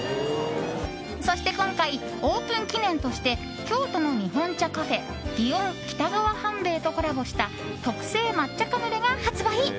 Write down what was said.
そして今回、オープン記念として京都の日本茶カフェ祇園北川半兵衛とコラボした特製抹茶カヌレが発売。